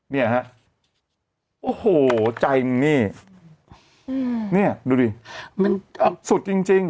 เนี่ยฮะโอ้โหใจมึงนี่เนี่ยดูดิมันสุดจริงจริง